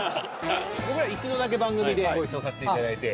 僕ら一度だけ番組でご一緒させていただいて。